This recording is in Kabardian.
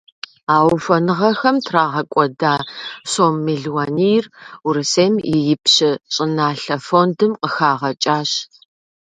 А ухуэныгъэхэм трагъэкӏуэда сом мелуанийр Урысейм и Ипщэ щӏыналъэ фондым къыхагъэкӏащ.